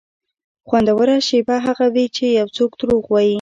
خوندوره شېبه هغه وي چې یو څوک دروغ وایي.